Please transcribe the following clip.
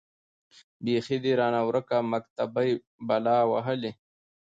بيـخي ده رانـه وركه مــكتبۍ بــلا وهــلې.